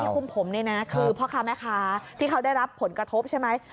คุมผมเนี่ยนะคือพ่อค้าแม่ค้าที่เขาได้รับผลกระทบใช่ไหม